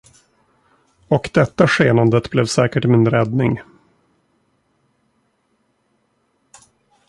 Och detta skenandet blev säkert min räddning.